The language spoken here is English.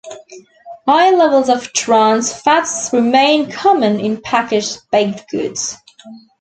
High levels of trans fats remain common in packaged baked goods.